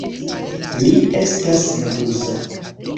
Li estas ruza.